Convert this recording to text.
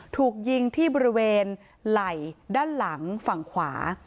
ถูกยิงที่บริเวณไหล่ด้านหลังฝั่งขวา